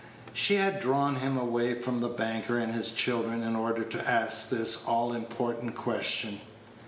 She had drawn him away from the banker and his children in order to ask this all important question.